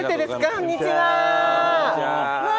こんにちは。